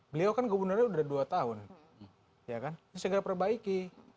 beliau kan gubernurnya udah dua tahun ya kan segera perbaiki